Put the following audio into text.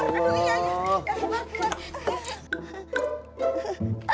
aduh deng tapi tak berubah